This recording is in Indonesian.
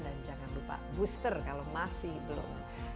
dan jangan lupa booster kalau masih belum